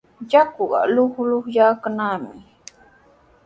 Yakuqa luqluqyaykannami.